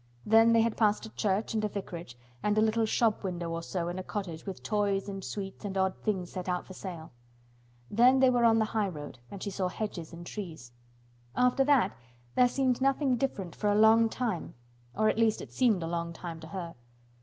Then they had passed a church and a vicarage and a little shop window or so in a cottage with toys and sweets and odd things set out for sale. Then they were on the highroad and she saw hedges and trees. After that there seemed nothing different for a long time—or at least it seemed a long time to her.